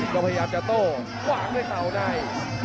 ก็พยายามจะโต้ขวางด้วยเข่าใน